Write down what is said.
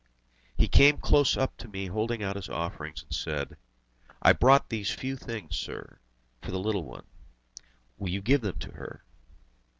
He came close up to me holding out his offerings and said: "I brought these few things, sir, for the little one. Will you give them to her?"